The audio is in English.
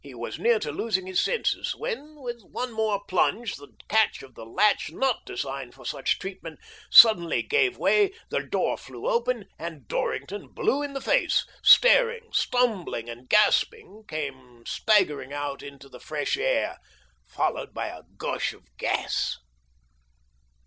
He was near to losing his senses, when, with one more plunge, the catch of the latch, not designed for such treatment, suddenly gave way, the door flew open, and Dorrington, blue in the face, staring, stumbling and gasping, came staggering out into the fresher air, followed by a gush of gas.